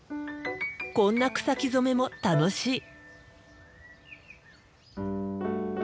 こんな草木染めも楽しい。